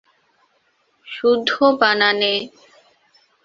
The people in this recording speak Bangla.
শুদ্ধ বানানে।